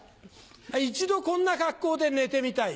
一度こんな格好で寝てみたい。